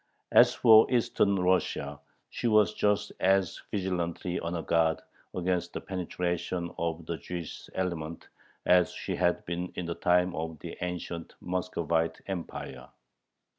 As for Eastern Russia, she was just as vigilantly on her guard against the penetration of the Jewish element as she had been in the time of the ancient Muscovite Empire.